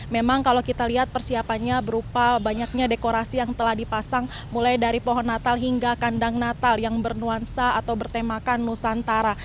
memang kalau kita lihat persiapannya berupa banyaknya dekorasi yang telah dipasang mulai dari pohon natal hingga kandang natal yang bernuansa atau bertemakan nusantara